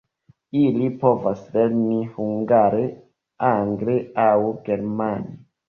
Ili povas lerni hungare, angle aŭ germane.